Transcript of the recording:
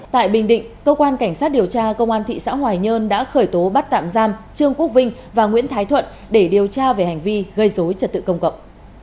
tại bình định cơ quan cảnh sát điều tra công an thị xã hoài nhơn đã khởi tố bắt tạm giam trương quốc vinh và nguyễn thái thuận để điều tra về hành vi gây dối trật tự công cộng